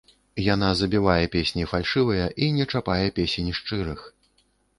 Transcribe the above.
Яна забівае песні фальшывыя і не чапае песень шчырых.